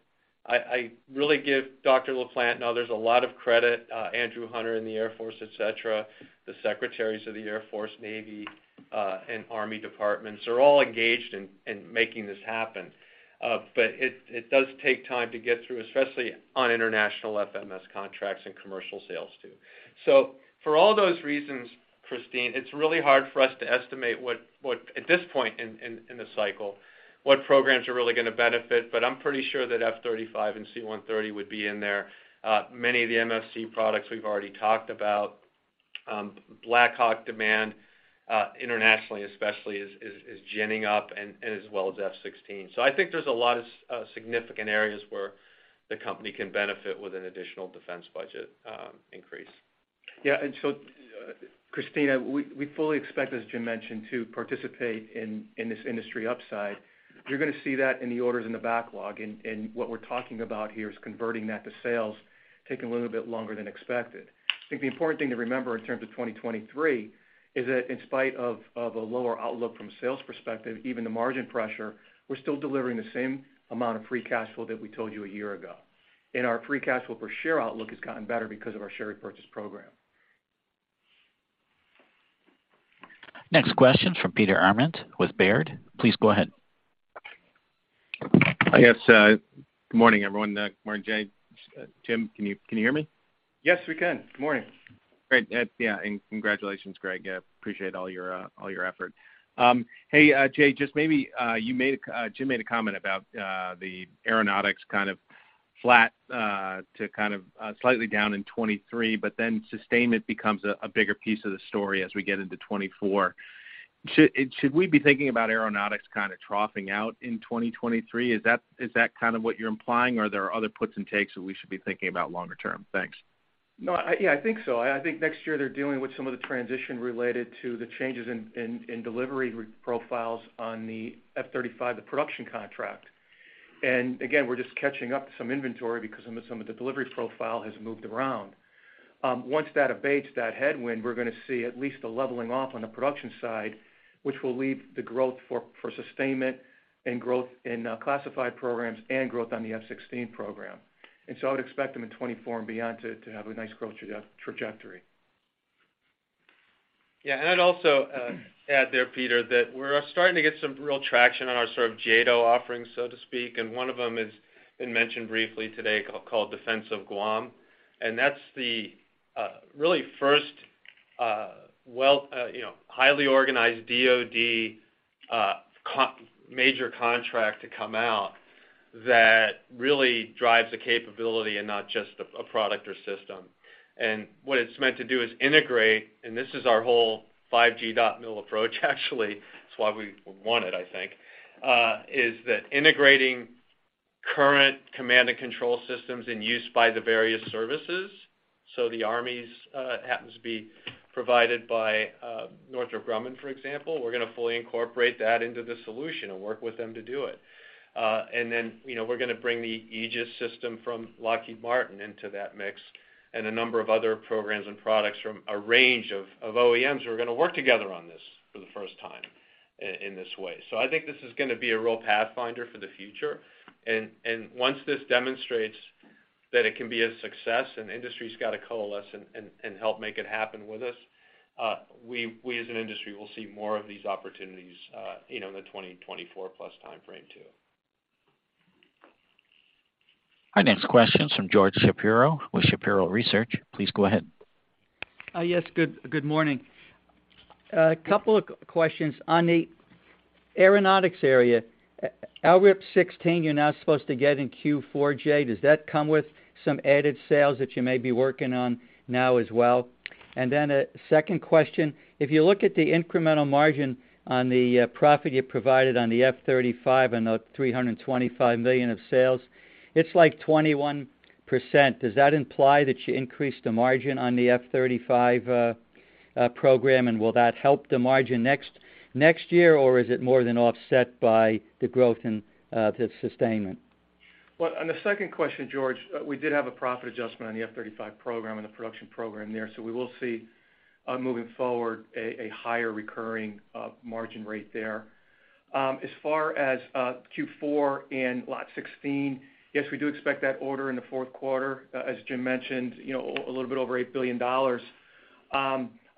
I really give Dr. LaPlante and others a lot of credit, Andrew Hunter in the Air Force, et cetera, the secretaries of the Air Force, Navy, and Army departments. They're all engaged in making this happen. It does take time to get through, especially on international FMS contracts and commercial sales too. For all those reasons, Kristine, it's really hard for us to estimate what at this point in the cycle what programs are really gonna benefit, but I'm pretty sure that F-35 and C-130 would be in there. Many of the MFC products we've already talked about. Black Hawk demand internationally especially is ginning up and as well as F-16. I think there's a lot of significant areas where the company can benefit with an additional defense budget increase. Yeah, Kristine, we fully expect, as Jim mentioned, to participate in this industry upside. You're gonna see that in the orders in the backlog, and what we're talking about here is converting that to sales, taking a little bit longer than expected. I think the important thing to remember in terms of 2023 is that in spite of a lower outlook from a sales perspective, even the margin pressure, we're still delivering the same amount of free cash flow that we told you a year ago. Our free cash flow per share outlook has gotten better because of our share repurchase program. Next question's from Peter Arment with Baird. Please go ahead. Yes, good morning, everyone. Good morning, Jay. Jim, can you hear me? Yes, we can. Good morning. Great. Yeah, and congratulations, Greg. I appreciate all your effort. Hey, Jay, just maybe, Jim made a comment about the Aeronautics kind of flat to kind of slightly down in 2023, but then sustainment becomes a bigger piece of the story as we get into 2024. Should we be thinking about Aeronautics kind of troughing out in 2023? Is that kind of what you're implying, or there are other puts and takes that we should be thinking about longer term? Thanks. No, yeah, I think so. I think next year they're dealing with some of the transition related to the changes in delivery re-profiles on the F-35, the production contract. We're just catching up some inventory because some of the delivery profile has moved around. Once that abates that headwind, we're gonna see at least a leveling off on the production side, which will leave the growth for sustainment and growth in classified programs and growth on the F-16 program. I would expect them in 2024 and beyond to have a nice growth trajectory. Yeah. I'd also add there, Peter, that we're starting to get some real traction on our sort of JADO offerings, so to speak, and one of them is—it mentioned briefly today—called Defense of Guam. That's the really first, well, you know, highly organized DoD major contract to come out that really drives the capability and not just a product or system. What it's meant to do is integrate, and this is our whole 5G dot mil approach, actually, that's why we want it, I think, is that integrating current command and control systems in use by the various services. So the Army's happens to be provided by Northrop Grumman, for example. We're gonna fully incorporate that into the solution and work with them to do it. You know, we're gonna bring the Aegis system from Lockheed Martin into that mix, and a number of other programs and products from a range of OEMs who are gonna work together on this for the first time in this way. I think this is gonna be a real pathfinder for the future. Once this demonstrates that it can be a success and industry's gotta coalesce and help make it happen with us, we as an industry will see more of these opportunities, you know, in the 2024+ timeframe too. Our next question is from George Shapiro with Shapiro Research. Please go ahead. Yes. Good morning. A couple of questions. On the Aeronautics area, LRIP-16, you're now supposed to get in Q4, Jay. Does that come with some added sales that you may be working on now as well? A second question. If you look at the incremental margin on the profit you provided on the F-35 and the $325 million of sales, it's like 21%. Does that imply that you increased the margin on the F-35 program, and will that help the margin next year, or is it more than offset by the growth in the sustainment? Well, on the second question, George, we did have a profit adjustment on the F-35 program and the production program there. We will see, moving forward, a higher recurring margin rate there. As far as Q4 and Lot 16, yes, we do expect that order in the fourth quarter, as Jim mentioned, you know, a little bit over $8 billion.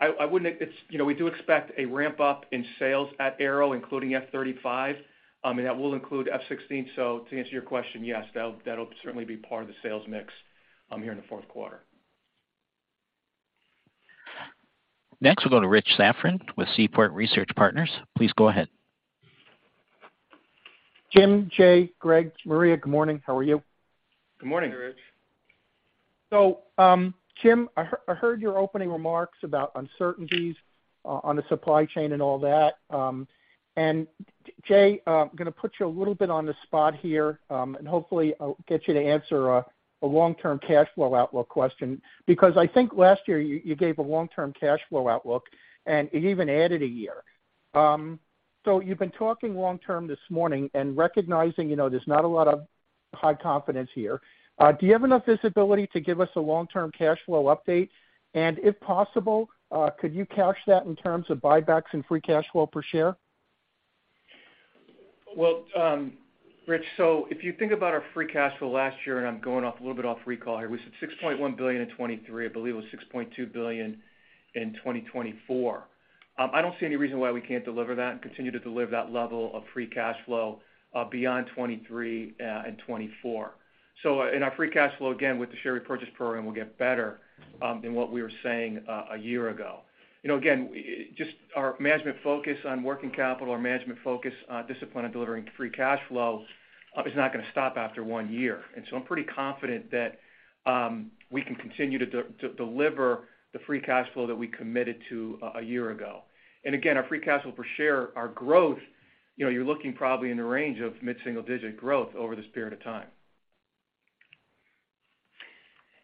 It's, you know, we do expect a ramp up in sales at Aero, including F-35, and that will include F-16. To answer your question, yes, that'll certainly be part of the sales mix here in the fourth quarter. Next, we'll go to Richard Safran with Seaport Research Partners. Please go ahead. Jim, Jay, Greg, Maria, good morning. How are you? Good morning. Hey, Rich. Jim, I heard your opening remarks about uncertainties on the supply chain and all that. Jay, I'm gonna put you a little bit on the spot here, and hopefully I'll get you to answer a long-term cash flow outlook question, because I think last year you gave a long-term cash flow outlook, and you even added a year. So you've been talking long-term this morning and recognizing, you know, there's not a lot of high confidence here. Do you have enough visibility to give us a long-term cash flow update? And if possible, could you couch that in terms of buybacks and free cash flow per share? Rich, if you think about our free cash flow last year, and I'm going off a little bit of recall here, we said $6.1 billion in 2023, I believe it was $6.2 billion in 2024. I don't see any reason why we can't deliver that and continue to deliver that level of free cash flow beyond 2023 and 2024. Our free cash flow, again, with the share repurchase program, will get better than what we were saying a year ago. You know, again, just our management focus on working capital, our management focus on discipline on delivering free cash flow is not gonna stop after one year. I'm pretty confident that we can continue to deliver the free cash flow that we committed to a year ago. Again, our free cash flow per share, our growth, you know, you're looking probably in the range of mid-single-digit% growth over this period of time.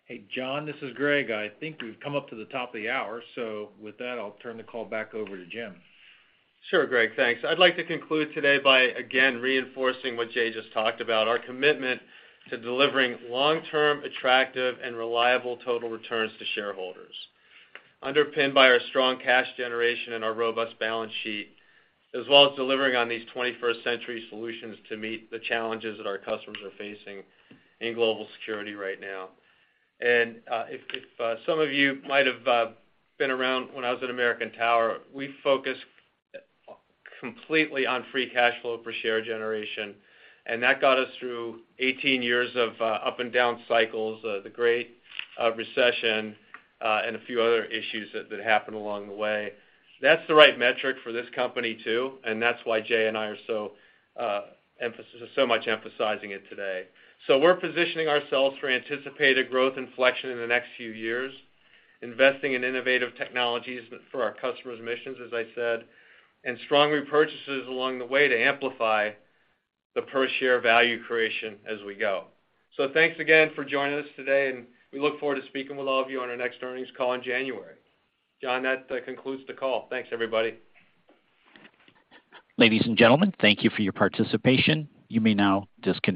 Hey, John, this is Greg. I think we've come up to the top of the hour. With that, I'll turn the call back over to Jim. Sure, Greg, thanks. I'd like to conclude today by again reinforcing what Jay just talked about, our commitment to delivering long-term attractive and reliable total returns to shareholders. Underpinned by our strong cash generation and our robust balance sheet, as well as delivering on these twenty-first century solutions to meet the challenges that our customers are facing in global security right now. If some of you might have been around when I was at American Tower, we focused completely on free cash flow per share generation, and that got us through 18 years of up and down cycles, the Great Recession, and a few other issues that happened along the way. That's the right metric for this company, too, and that's why Jay and I are so much emphasizing it today. We're positioning ourselves for anticipated growth inflection in the next few years, investing in innovative technologies but for our customers' missions, as I said, and strong repurchases along the way to amplify the per share value creation as we go. Thanks again for joining us today, and we look forward to speaking with all of you on our next earnings call in January. John, that concludes the call. Thanks, everybody. Ladies and gentlemen, thank you for your participation. You may now disconnect.